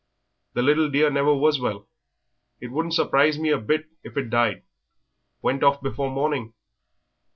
"The little dear never was well; it wouldn't surprise me a bit if it died went off before morning.